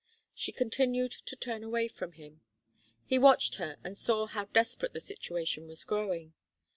She continued to turn away from him. He watched her, and saw how desperate the situation was growing.